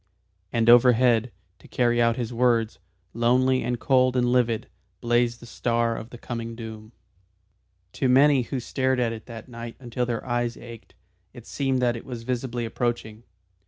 And overhead, to carry out his words, lonely and cold and livid, blazed the star of the coming doom. To many who stared at it that night until their eyes ached, it seemed that it was visibly approaching.